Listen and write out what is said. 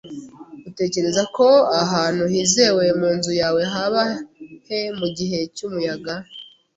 Utekereza ko ahantu hizewe mu nzu yawe haba he mugihe cyumuyaga?